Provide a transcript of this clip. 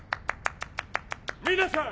皆さん！